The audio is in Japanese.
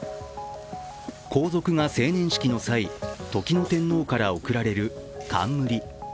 皇族が成年式の際時の天皇から贈られる冠。